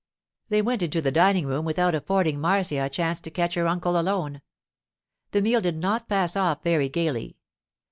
They went into the dining room without affording Marcia a chance to catch her uncle alone. The meal did not pass off very gaily.